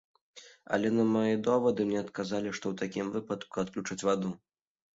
Але на мае довады мне адказалі, што у такім выпадку адключаць ваду.